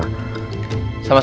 satu udahan itu